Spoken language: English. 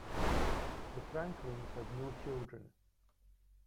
The Franklins had no children.